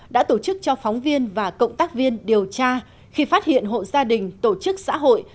đã tổ chức cho phóng viên và cộng tác viên điều tra khi phát hiện hộ gia đình tổ chức xã hội